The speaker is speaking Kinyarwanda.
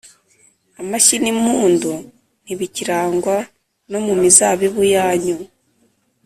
amashyi n’impundu ntibikirangwa no mu mizabibu yanyu.